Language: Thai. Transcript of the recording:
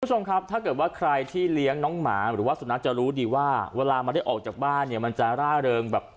คุณผู้ชมครับถ้าเกิดว่าใครที่เลี้ยงน้องหมาหรือว่าสุนัขจะรู้ดีว่าเวลามันได้ออกจากบ้านเนี่ยมันจะร่าเริงแบบ